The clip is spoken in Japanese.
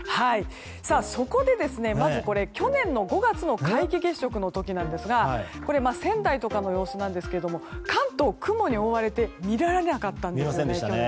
そこで、去年の５月の皆既月食の時なんですが仙台とかの様子ですが関東、雲に覆われて見られなかったんですね、去年。